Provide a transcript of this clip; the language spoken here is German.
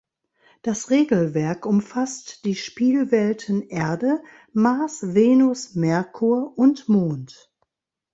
Das Regelwerk umfasst die Spielwelten Erde, Mars, Venus, Merkur und Mond.